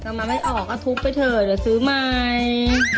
มาไม่ออกก็ทุบไปเถอะเดี๋ยวซื้อใหม่